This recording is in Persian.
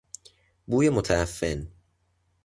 بوی متعفن